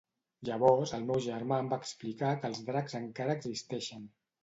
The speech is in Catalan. Llavors el meu germà em va explicar que els dracs encara existeixen.